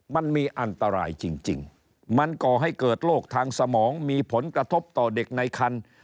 มันมีอันตรายจริงมันก่อให้เกิดโรคทางสมองมีผลกระทบต่อเด็กในคัน